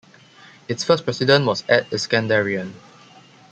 Its first president was Ed Iskenderian.